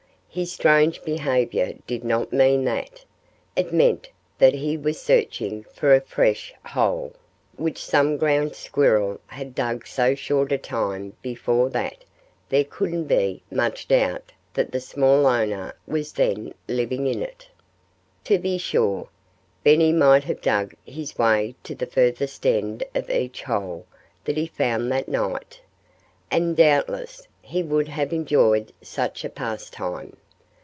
His strange behavior did not mean that. It meant that he was searching for a fresh hole, which some ground squirrel had dug so short a time before that there couldn't be much doubt that the small owner was then living in it. [Illustration: Mr. Ground Squirrel Escapes from Benny.] To be sure, Benny might have dug his way to the furthest end of each hole that he found that night. And doubtless he would have enjoyed such a pastime.